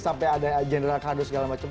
sampai ada general kado segala macam